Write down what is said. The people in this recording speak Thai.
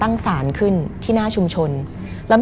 มันกลายเป็นรูปของคนที่กำลังขโมยคิ้วแล้วก็ร้องไห้อยู่